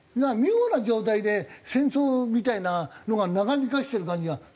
妙な状態で戦争みたいなのが長引かせてる感じが。